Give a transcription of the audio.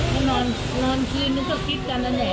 เขานอนคืนนึงก็คิดกันแล้วเนี่ย